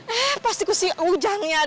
eh pasti aku si ujangnya